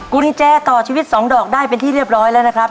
กุญแจต่อชีวิต๒ดอกได้เป็นที่เรียบร้อยแล้วนะครับ